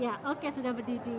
ya oke sudah mendidih